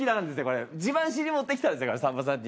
自慢しに持ってきたんですからさんまさんに。